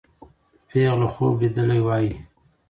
پېغله خوب لیدلی وایي.